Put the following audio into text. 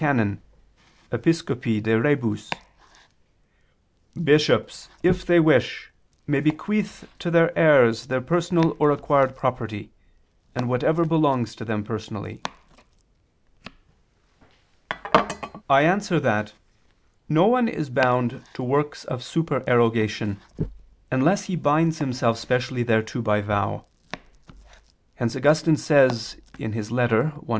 i, can. Episcopi de rebus): "Bishops, if they wish, may bequeath to their heirs their personal or acquired property, and whatever belongs to them personally." I answer that, No one is bound to works of supererogation, unless he binds himself specially thereto by vow. Hence Augustine says (Ep. cxxvii ad Paulin.